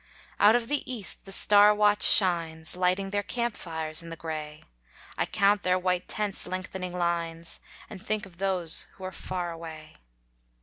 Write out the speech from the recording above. Out of the east the star watch shines, Lighting their camp fires in the gray; I count their white tents' lengthening lines, And think of those who are far away.